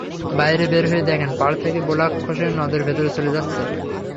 বাইরে বের হয়ে দেখেন পাড় থেকে ব্লক খসে নদের ভেতরে চলে যাচ্ছে।